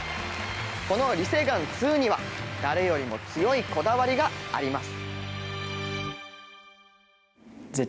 このリ・セグァン２には誰よりも強いこだわりがあります。